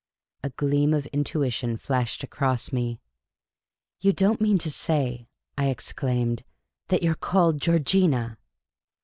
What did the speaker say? A gleam of intuition flashed across me. "You don't mean to say," I exclaimed, " that you 're called Geor gina